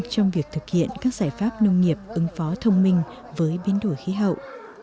trong việc thực hiện các giải pháp nông nghiệp ứng phó thông minh với biến đổi khí hậu